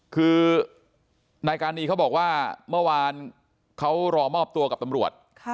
คือนายการีเขาบอกว่าเมื่อวานเขารอมอบตัวกับตำรวจ